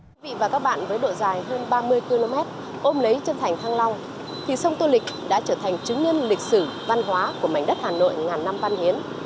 quý vị và các bạn với độ dài hơn ba mươi km ôm lấy chân thành thăng long thì sông tô lịch đã trở thành chứng nhân lịch sử văn hóa của mảnh đất hà nội ngàn năm văn hiến